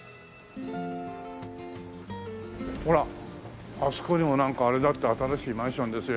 ほらあそこにもなんかあれだって新しいマンションですよ